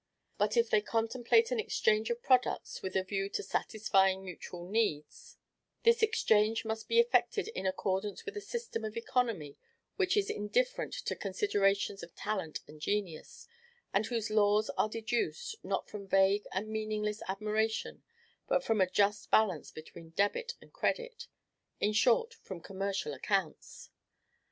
But if they contemplate an exchange of products with a view to satisfying mutual needs, this exchange must be effected in accordance with a system of economy which is indifferent to considerations of talent and genius, and whose laws are deduced, not from vague and meaningless admiration, but from a just balance between DEBIT and CREDIT; in short, from commercial accounts.